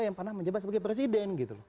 yang pernah menjabat sebagai presiden gitu loh